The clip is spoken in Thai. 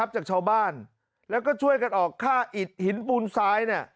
จากชาวบ้านแล้วก็ช่วยกันออกค่าอิดหินปูนซ้าย